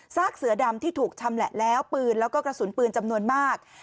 กเสือดำที่ถูกชำแหละแล้วปืนแล้วก็กระสุนปืนจำนวนมาก